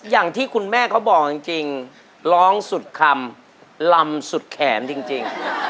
อย่างที่คุณแม่เขาบอกจริงร้องสุดคำลำสุดแขนจริง